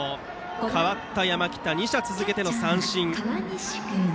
代わった山北、２者続けての三振。